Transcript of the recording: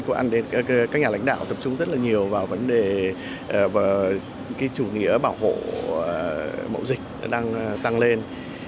có các nhà lãnh đạo tập trung rất là nhiều vào vấn đề chủ nghĩa bảo hộ mậu dịch đang tăng lên